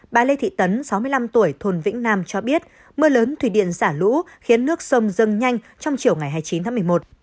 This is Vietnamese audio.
bà lê thị tấn sáu mươi năm tuổi thôn vĩnh nam cho biết mưa lớn thủy điện xả lũ khiến nước sông dâng nhanh trong chiều ngày hai mươi chín tháng một mươi một